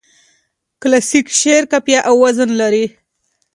کلاسیک شعر قافیه او وزن لري.